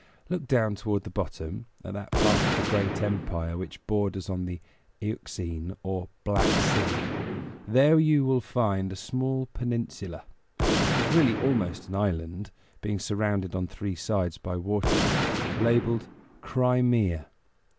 Look down toward the bottom, at that part of the great empire which borders on the Euxine or Black Sea; there you will find a small peninsula it is really almost an island, being surrounded on three sides by water labeled "Crimea."